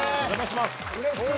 うれしい。